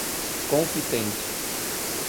confitente